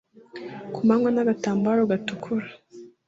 ku manywa n agatambaro gatukura